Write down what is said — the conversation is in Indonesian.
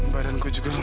badan ku juga sakit